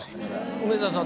梅沢さん